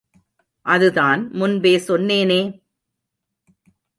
அதுதான் முன்பே சொன்னேனே!